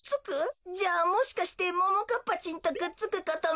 じゃあもしかしてももかっぱちんとくっつくことも。